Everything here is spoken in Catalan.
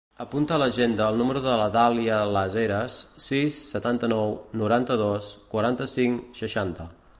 Apunta a l'agenda el número de la Dàlia Las Heras: sis, setanta-nou, noranta-dos, quaranta-cinc, seixanta.